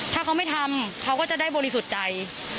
ถ้าเขาไม่ทำเขาก็จะได้บริสุทธิ์ใจ